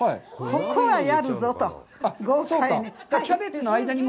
ここはやるぞと、豪快に。